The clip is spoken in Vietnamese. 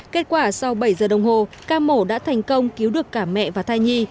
kết quả sau bảy giờ đồng hồ ca mổ đã thành công cứu được cả mẹ và thai nhi